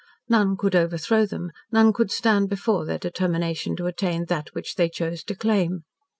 None could overthrow them, none could stand before their determination to attain that which they chose to claim.